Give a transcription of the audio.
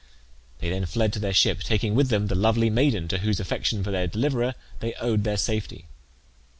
They then fled to their ship, taking with them the lovely maiden to whose affection for their deliverer they owed their safety.